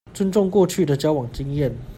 尊重過去的交往經驗